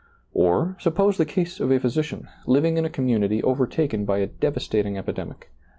Or, suppose the case of a physician, living in a community overtaken by a devastating epi demic.